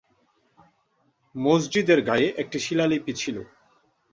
মসজিদের গায়ে একটি শিলালিপি ছিল।